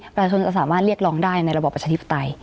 ประชาชนจะสามารถเรียกร้องได้ในระบอบประชาธิปไตย